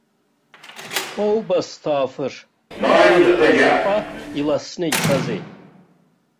Ҭоубасҭаафыр, аамҭа заҟа иласны ицазеи!